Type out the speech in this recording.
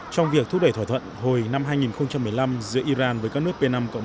trong việc thúc đẩy thỏa thuận hồi năm hai nghìn một mươi năm giữa iran với các nước p năm